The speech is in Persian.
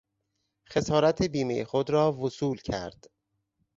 خسارت بیمهی خود را وصول کرد.